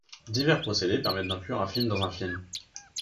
Divers procédés permettent d'inclure un film dans un film.